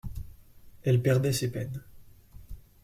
Elle perdait ses peines.